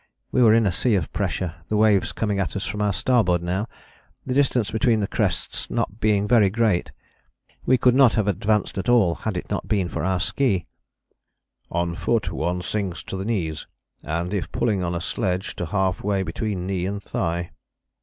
We were in a sea of pressure, the waves coming at us from our starboard bow, the distance between the crests not being very great. We could not have advanced at all had it not been for our ski: "on foot one sinks to the knees, and if pulling on a sledge to half way between knee and thigh."